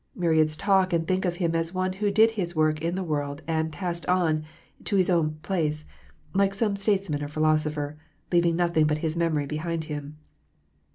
Myriads talk and think of Him as of One who did His work in the world and passed on to His own place, like some statesman or philosopher, leaving nothing but His memory behind Him.